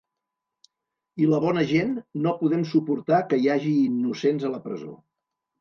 I la bona gent no podem suportar que hi hagi innocents a la presó.